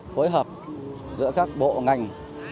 hối hợp giữa các bộ ngành